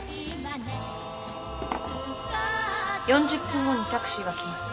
４０分後にタクシーが来ます。